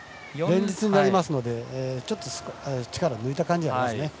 連日になりましたのでちょっと力抜いた感じですね。